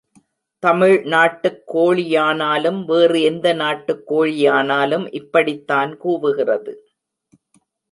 தமிழ் நாட்டுக் கோழியானாலும் வேறு எந்த நாட்டுக் கோழியானாலும் இப்படித்தான் கூவுகிறது.